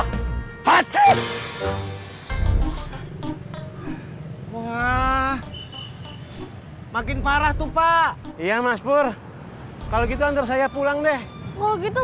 hai hah cip wah makin parah tumpah iya maspur kalau gitu antar saya pulang deh kalau gitu